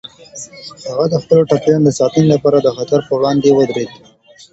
هغه د خپلو ټپيانو د ساتنې لپاره د خطر په وړاندې ودرید.